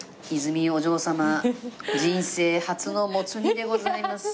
お嬢様人生初のもつ煮でございます。